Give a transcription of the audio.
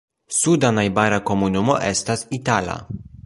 Suda najbara komunumo estas Itala.